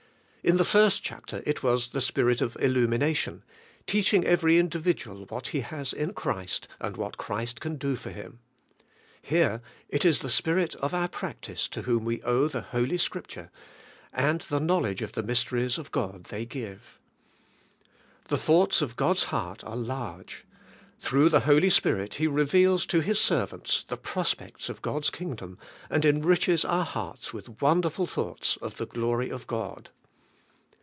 In the first chapter it was the Spirit of illumination, teaching every individual what he has in Christ and what Christ can do for him. Here it is the Spirit of our practice to whom we ov/e the Holy Scripture, and the knowledg e of the mysteries of God they give. The thoughts of God's heart are large; through the Holy Spirit He reveals to His servants the prospects of God's kingdom and enriches our hearts with wonderful thoughts of the glory of God.